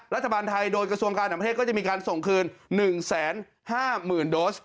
รัฐบาลไทยโดยกระทรวงการต่างประเทศก็จะมีการส่งคืน๑๕๐๐๐โดส